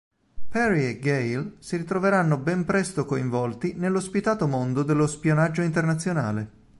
Perry e Gail si ritroveranno ben presto coinvolti nello spietato mondo dello spionaggio internazionale.